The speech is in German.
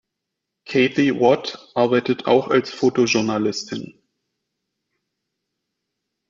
Kathy Watt arbeitet auch als Fotojournalistin.